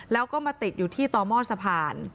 แล้วก็มาติดอยู่ที่ต่อหม้อสะพาน